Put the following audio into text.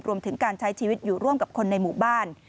รวมถึงการใช้ชีวิตอยู่ร่วมกับคนในหมู่บ้าน